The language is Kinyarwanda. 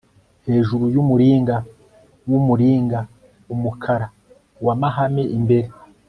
Hejuru yumuringa wumuringa umukara wa mahame imbere